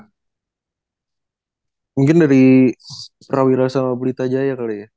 mungkin dari prawira sama bulita jaya kali ya